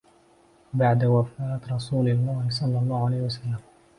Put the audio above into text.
بَعْدَ وَفَاةِ رَسُولِ اللَّهِ صَلَّى اللَّهُ عَلَيْهِ وَسَلَّمَ